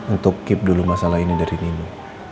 untuk keep dulu masalah ini dari nino